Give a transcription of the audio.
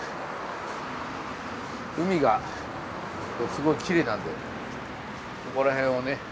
海がすごいキレイなんでここら辺をね